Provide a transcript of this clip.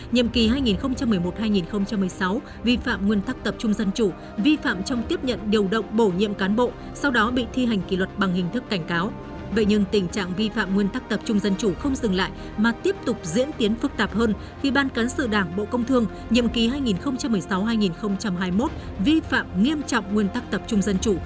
nhiệm ký hai nghìn một mươi sáu hai nghìn hai mươi một vi phạm nghiêm trọng nguyên tắc tập trung dân chủ